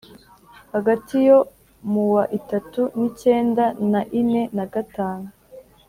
hagati yo mu wa itatu nicyenda na ine na gatanu